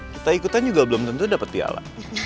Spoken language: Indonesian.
kita ikutan juga belum tentu dapat piala